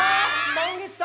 「満月だ！」